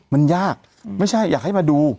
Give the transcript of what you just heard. มันยากไม่ใช่อยากให้มาดู